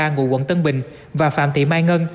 ngụ quận tân bình và phạm thị mai ngân